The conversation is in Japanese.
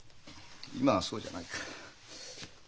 今はそうじゃないか。